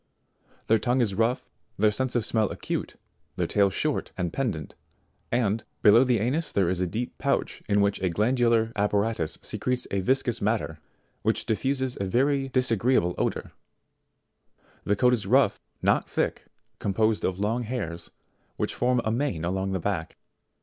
Their tongue is rough, their sense of smell acute, their tail short and pendant, and, below the anus there is a deep pouch in which a glandular apparatus secretes a viscous matter, which diffuses a very disa greeable odour The coat is rough, not thick, composed of long hairs, which form a mane along the back.